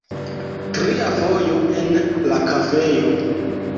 Tria fojo en la kafejo.